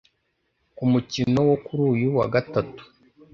Ku mukino wo kuri uyu wa Gatatu